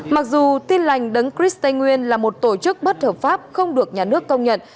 mặc dù tin lành đấng chris tây nguyên là một tổ chức bất hợp pháp không được nhà nước công nhận